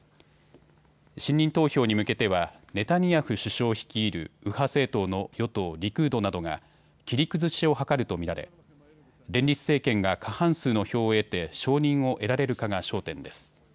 信任投票に向けてはネタニヤフ首相率いる右派政党の与党リクードなどが切り崩しを図ると見られ連立政権が過半数の票を得て承認を得られるかが焦点です。